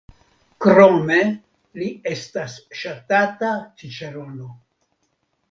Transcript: Krome li estas ŝatata ĉiĉerono.